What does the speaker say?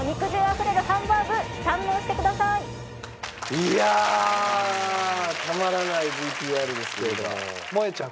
いやたまらないＶＴＲですけれども。